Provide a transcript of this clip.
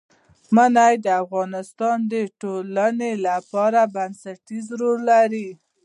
منی د افغانستان د ټولنې لپاره بنسټيز رول لري.